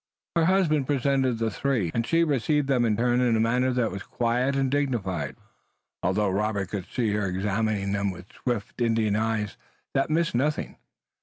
Her husband presented the three, and she received them in turn in a manner that was quiet and dignified, although Robert could see her examining them with swift Indian eyes that missed nothing.